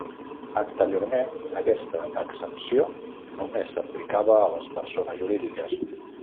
Anteriorment, aquesta exempció només s'aplicava a les persones jurídiques.